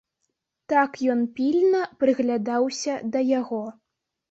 Так ён пільна прыглядаўся да яго.